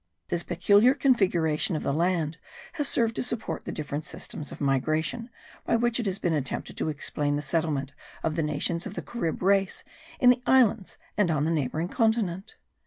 This peculiar configuration of the land has served to support the different systems of migration, by which it has been attempted to explain the settlement of the nations of the Carib race in the islands and on the neighbouring continent.